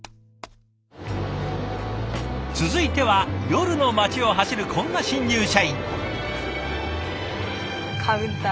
続いては夜の街を走るこんな新入社員。